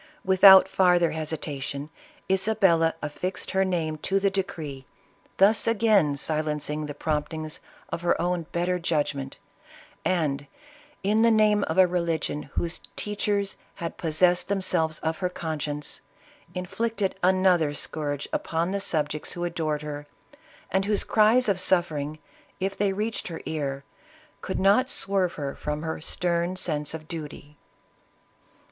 Without farther hesi tation, Isabella affixed her name to the decree, thus again silencing the promptings of her own better judg ment, and in the name of a religion whose teachers had possessed themselves of her conscience, inflicted an other scourge upon the subjects who adored her, and whose cries of suffering, if they reached her ear, could not swerve her from her stern sense of duty.